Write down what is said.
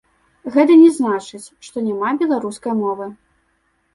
Гэта не значыць, што няма беларускай мовы.